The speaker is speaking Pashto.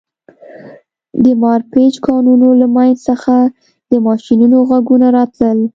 د مارپیچ کانونو له منځ څخه د ماشینونو غږونه راتلل